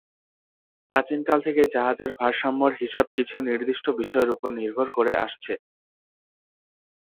প্রাচীনকাল থেকেই জাহাজের ভারসাম্যের হিসাব কিছু নির্দিষ্ট বিষয়ের উপর নির্ভর করে আসছে।